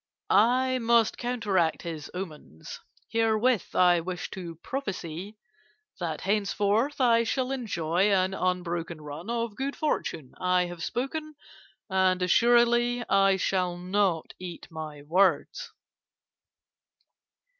'I must counteract his omens. Herewith I wish to prophecy that henceforth I shall enjoy an unbroken run of good fortune. I have spoken, and assuredly I shall not eat my words.